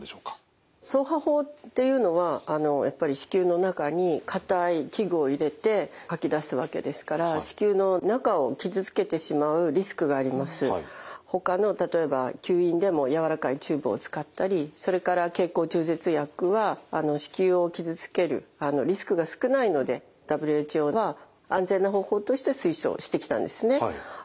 掻爬法っていうのはやっぱり子宮の中に硬い器具を入れてかき出すわけですからほかの例えば吸引でもやわらかいチューブを使ったりそれから経口中絶薬は子宮を傷つけるリスクが少ないのでＷＨＯは安全な方法として推奨してきたんですね。